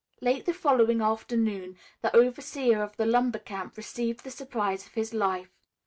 Late the following afternoon the overseer of the lumber camp received the surprise of his life.